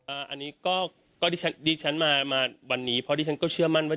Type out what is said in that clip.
อันนี้ก็ดิฉันดิฉันมามาวันนี้เพราะดิฉันก็เชื่อมั่นว่า